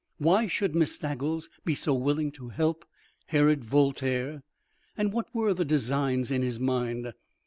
Why should Miss Staggles be so willing to help Herod Voltaire, and what were the designs in his mind?